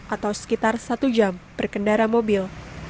atau sekitar satu jam berkendara mobil